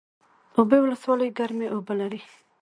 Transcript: اوبې ولسوالۍ ګرمې اوبه لري؟